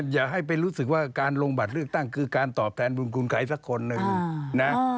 อย่าให้ไปรู้สึกว่าการลงบัตรเลือกตั้งคือการตอบแทนบุญคุณใครสักคนหนึ่งนะ